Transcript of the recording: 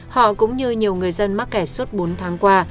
họ cũng như nhiều người dân mắc kẹt suốt bốn tháng qua